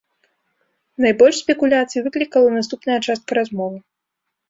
Найбольш спекуляцый выклікала наступная частка размовы.